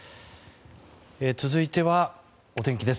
続いては、お天気です。